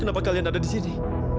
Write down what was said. kenapa kalian ada di sini